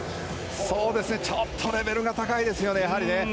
ちょっとレベルが高いですね、やはりね。